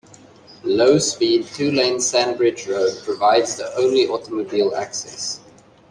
Low speed, two-lane Sandbridge Road provides the only automobile access.